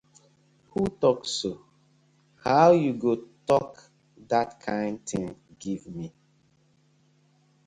Who tok so, how yu go tok dat kind tin giv mi.